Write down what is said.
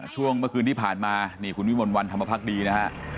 ช่วงเมื่อคืนที่ผ่านมานี่คุณวิมลวันธรรมพักดีนะฮะ